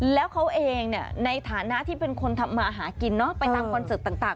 แล้วเขาเองในฐานะที่เป็นคนทำมาหากินไปตามคอนเสิร์ตต่าง